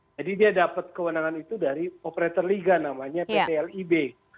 dia dapat kewenangan itu dari operator liga namanya pt lib